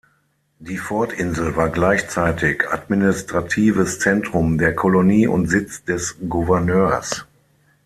Die Fort-Insel war gleichzeitig administratives Zentrum der Kolonie und Sitz des Gouverneurs.